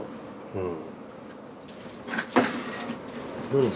うん。